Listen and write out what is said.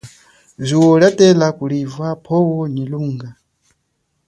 Zuwo lia tela kuliva pwowo nyi lunga.